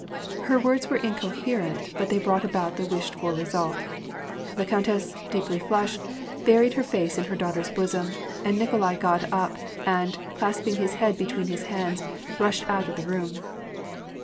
Her words were incoherent ; but they brought about the wished f or result. The countess, deeply flushed, buried her face in her daughter's bosom ; and Nikolai got up and, clasping his head between his hands, rushed out of the room.